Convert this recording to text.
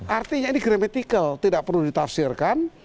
artinya ini gramatical tidak perlu ditafsirkan